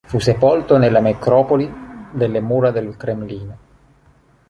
Fu sepolto nella Necropoli delle mura del Cremlino.